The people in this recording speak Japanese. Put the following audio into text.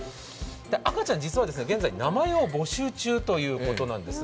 赤ちゃん、実は名前を募集中ということなんです。